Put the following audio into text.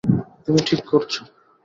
তুমি ঠিক করছো।